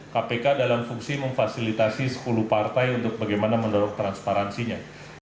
kpk dalam fungsi memfasilitasi sepuluh partai untuk bagaimana mendorong transparansinya